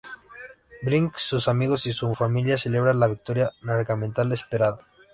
Brink, sus amigos y su familia celebran la victoria largamente esperada.